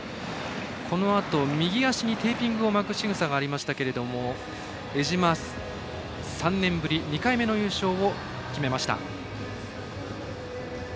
このあと、右足にテーピングを巻くしぐさがありましたけれども江島、３年ぶり２回目の優勝を決めました。